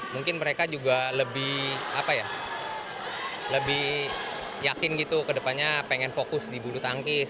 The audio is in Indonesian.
mungkin mereka juga lebih yakin gitu ke depannya pengen fokus di bulu tangkis